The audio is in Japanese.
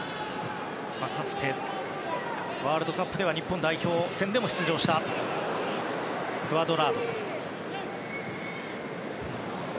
かつてワールドカップでは日本代表戦でも出場したクアドラード。